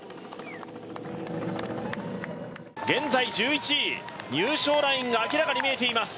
現在１１位、入賞ラインが明らかに見えています。